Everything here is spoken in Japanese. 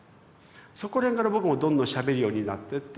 そこら辺から僕もどんどんしゃべるようになってって。